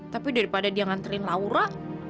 tapi daripada dia nganterin laura